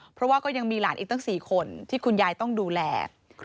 เพราะว่าก็ยังมีหลานอีกตั้ง๔คนที่คุณยายต้องดูแล